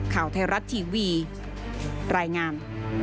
ข่าวไทยรัฐทีวีรายงาน